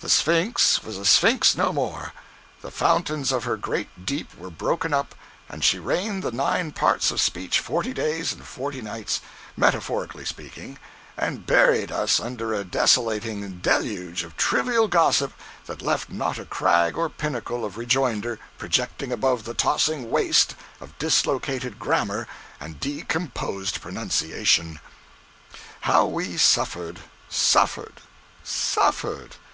The Sphynx was a Sphynx no more! The fountains of her great deep were broken up, and she rained the nine parts of speech forty days and forty nights, metaphorically speaking, and buried us under a desolating deluge of trivial gossip that left not a crag or pinnacle of rejoinder projecting above the tossing waste of dislocated grammar and decomposed pronunciation! How we suffered, suffered, suffered!